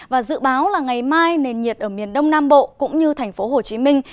và dự báo là ngày mai nền nhiệt ở miền đông nam bộ cũng như thành phố hồ chí minh